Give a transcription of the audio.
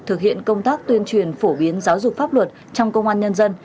thực hiện công tác tuyên truyền phổ biến giáo dục pháp luật trong công an nhân dân